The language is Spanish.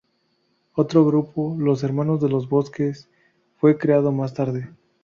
Otro grupo, los Hermanos de los Bosques, fue creado más tarde.